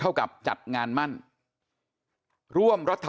ลาออกจากหัวหน้าพรรคเพื่อไทยอย่างเดียวเนี่ย